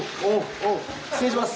失礼します。